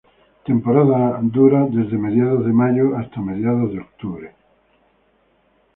Temporada dura desde mediados de mayo hasta mediados de Octubre.